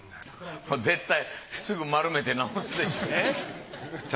絶対すぐ丸めて直すでしょ。